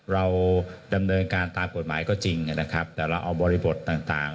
เราดำเนินการตามกฎหมายก็จริงนะครับแต่เราเอาบริบทต่าง